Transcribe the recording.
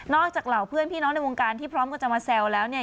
จากเหล่าเพื่อนพี่น้องในวงการที่พร้อมกันจะมาแซวแล้วเนี่ย